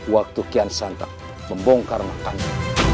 waktu kian santak membongkar makamu